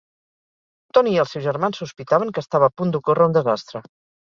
Tony i els seus germans sospitaven que estava a punt d'ocórrer un desastre.